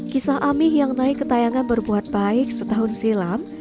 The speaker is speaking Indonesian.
kisah amih yang naik ke tayangan berbuat baik setahun silam